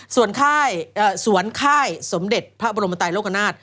ส่วนสวนค่ายสมเด็จพระบรมไตโลกนาฏ